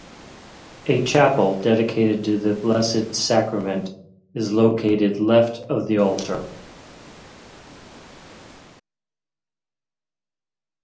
A chapel dedicated to the Blessed Sacrament is located left of the altar.